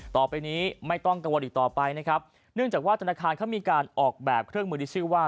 ต่อไปนี้ไม่ต้องกังวลอีกต่อไปนะครับเนื่องจากว่าธนาคารเขามีการออกแบบเครื่องมือที่ชื่อว่า